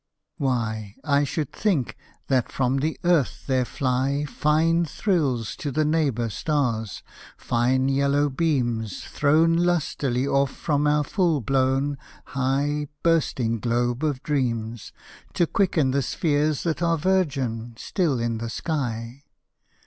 Why, I should think that from the earth there fly Fine thrills to the neighbour stars, fine yellow beams Thrown lustily off from our full blown, high Bursting globe of dreams, To quicken the spheres that are virgin still in the sky.